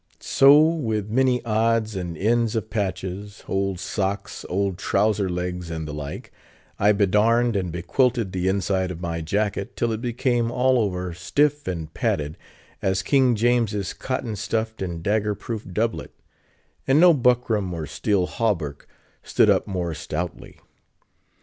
So, with many odds and ends of patches—old socks, old trowser legs, and the like—I bedarned and bequilted the inside of my jacket, till it became, all over, stiff and padded, as King James's cotton stuffed and dagger proof doublet; and no buckram or steel hauberk stood up more stoutly.